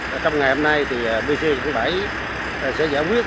trong ngày hôm nay thì pc bảy sẽ giải quyết